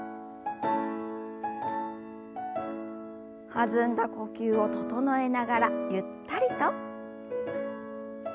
弾んだ呼吸を整えながらゆったりと。